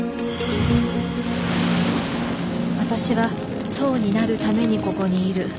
私は僧になるためにここにいる。